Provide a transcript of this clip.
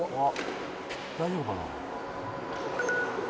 「大丈夫かな？」